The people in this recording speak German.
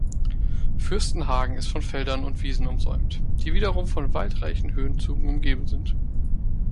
Fürstenhagen ist von Feldern und Wiesen umsäumt, die wiederum von waldreichen Höhenzügen umgeben sind.